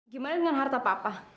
gimana dengan harta papa